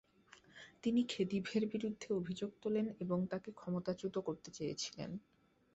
তিনি খেদিভের বিরুদ্ধে অভিযোগ তোলেন এবং তাকে ক্ষমতাচ্যুত করতে চেয়েছিলেন।